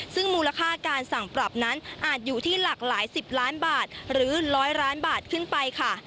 ซึ่งมูลค่าการสั่งปรับนั้นอาจอยู่ที่หลากหลาย๑๐ล้านบาทหรือ๑๐๐ล้านบาทขึ้นไปค่ะ